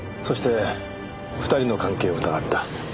そして２人の関係を疑った。